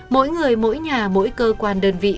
mỗi người mỗi nhà mỗi cơ quan đơn vị